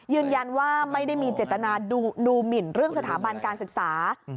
ยืนยันว่าไม่ได้มีเจตนาดูหมินเรื่องสถาบันการศึกษา